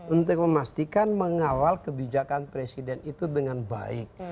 untuk memastikan mengawal kebijakan presiden itu dengan baik